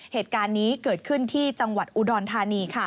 เหตุการณ์นี้เกิดขึ้นที่จังหวัดอุดรธานี